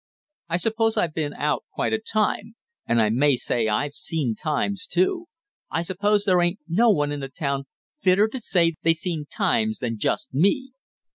"I suppose I've been out quite a time, and I may say I've seen times, too! I guess there ain't no one in the town fitter to say they seen times than just me!"